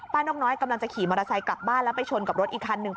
นกน้อยกำลังจะขี่มอเตอร์ไซค์กลับบ้านแล้วไปชนกับรถอีกคันหนึ่ง